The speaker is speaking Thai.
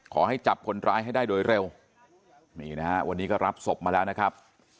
ขอให้จับคนร้ายให้ได้โดยเร็วนี่นะฮะวันนี้ก็รับศพมาแล้วนะครับ